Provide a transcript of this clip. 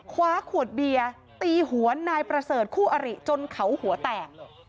คว้าขวดเบียร์ตีหัวนายประเสริฐคู่อริจนเขาหัวแตก